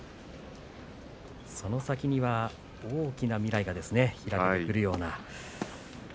その先には大きな未来が開けてくるような。